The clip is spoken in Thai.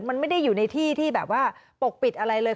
มันไม่ได้อยู่ในที่ที่แบบว่าปกปิดอะไรเลย